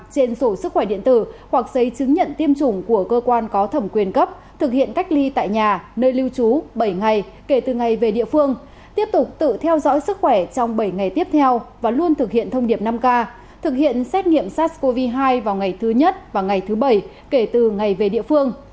trên sổ sức khỏe điện tử hoặc giấy chứng nhận tiêm chủng của cơ quan có thẩm quyền cấp thực hiện cách ly tại nhà nơi lưu trú bảy ngày kể từ ngày về địa phương tiếp tục tự theo dõi sức khỏe trong bảy ngày tiếp theo và luôn thực hiện thông điệp năm k thực hiện xét nghiệm sars cov hai vào ngày thứ nhất và ngày thứ bảy kể từ ngày về địa phương